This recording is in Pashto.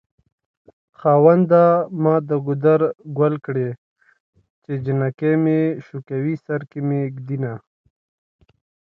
خاونده ما دګودر ګل کړی چې جنکي مې شوکوی سرکې مې ږد ينه